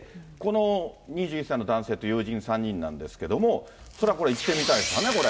２１歳の男性と友人３人なんですけれども、それは行ってみたいですよね、これ。